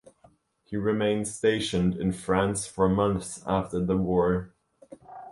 He remained stationed in France for months after the war.